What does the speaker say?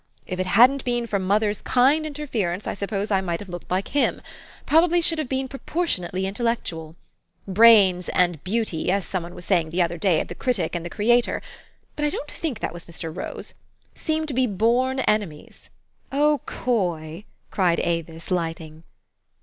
If it hadn't been for moth er's kind interference, I suppose I might have looked like him ; probably should have been propor tionately intellectual. Brains and beauty, as some one was saying the other day of the critic and the creator, but I don't tJiirik that was Mr. Rose, seem to be born enemies." " O Coy !" cried Avis, lighting.